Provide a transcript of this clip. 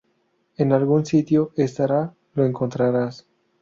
En algún sitio estará. Lo encontrarás.